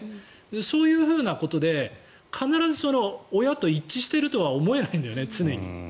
そういうことで必ず親と一致しているとは思えないんだよね、常に。